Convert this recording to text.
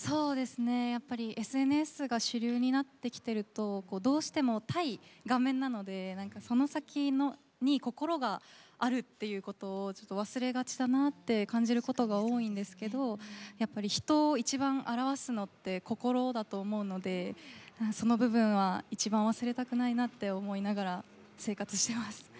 やっぱりＳＮＳが主流になってきているとどうしても対画面なのでその先に心があるっていうことを忘れがちだなって感じることが多いんですけどやっぱり人を一番表すのって心だと思うので、その部分は一番、忘れたくないなって思いながら生活してます。